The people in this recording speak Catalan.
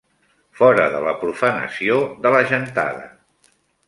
Fora de la profanació de la gentada